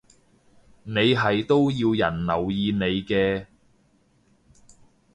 你係都要人留意你嘅